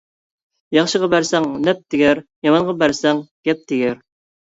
ياخشىغا بەرسەڭ نەپ تېگەر، يامانغا بەرسەڭ گەپ تېگەر.